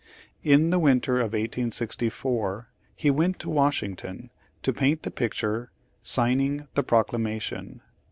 In the winter of 1864 he went to Washington to paint the picture, "Signing the Proclamation."